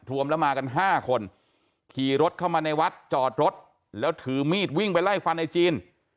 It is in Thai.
รวมแล้วมากัน๕คนขี่รถเข้ามาในวัดจอดรถแล้วถือมีดวิ่งไปไล่ฟันในจีน